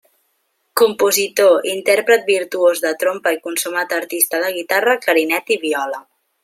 Compositor, intèrpret virtuós de trompa i consumat artista de guitarra, clarinet i viola.